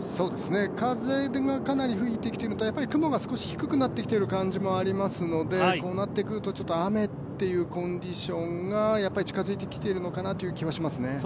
風がかなり吹いてきていると雲が低くなってきてる感じもありますのでこうなってくると雨というコンディションが近づいてきているのかなという気はしますね。